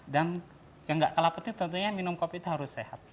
dan yang tidak kelapetnya tentunya minum kopi itu harus sehat